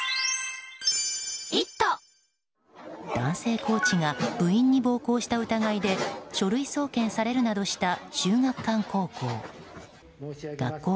男性コーチが部員に暴行した疑いで書類送検されるなどした秀岳館高校。